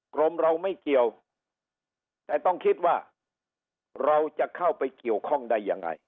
กรมเราไม่เกี่ยวแต่ต้องคิดว่าเราจะเข้าไปเกี่ยวข้องได้ยังไง